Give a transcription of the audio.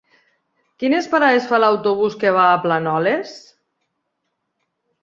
Quines parades fa l'autobús que va a Planoles?